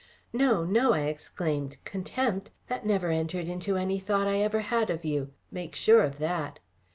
"No, no!" I exclaimed. "Contempt! That never entered into any thought I ever had of you. Make sure of that!"